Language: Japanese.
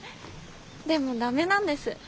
でもダメなんです。